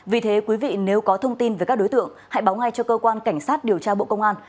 vì thế quý vị nếu có thông tin về các đối tượng hãy báo ngay cho cơ quan cảnh sát điều tra bộ công an